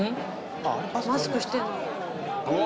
マスクしてない。